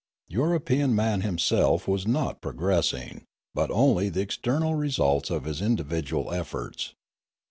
European man himself was not progressing, but only the external results of his individual efforts.